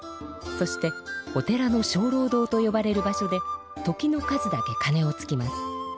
そしてお寺のしょうろう堂とよばれる場所で時の数だけかねをつきます。